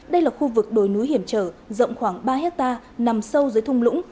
đây là khu vực đồi núi hiểm trở rộng khoảng ba hectare nằm sâu dưới thung lũng